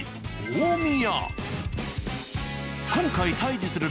大宮！